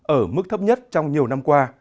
ở mức thấp nhất trong nhiều năm qua